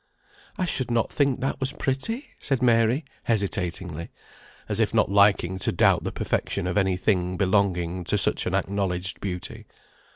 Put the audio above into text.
"I should not think that was pretty," said Mary, hesitatingly; as if not liking to doubt the perfection of any thing belonging to such an acknowledged beauty.